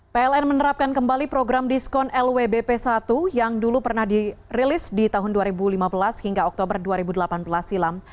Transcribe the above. pln menerapkan kembali program diskon lwbp satu yang dulu pernah dirilis di tahun dua ribu lima belas hingga oktober dua ribu delapan belas silam